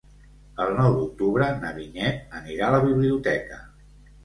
El nou d'octubre na Vinyet anirà a la biblioteca.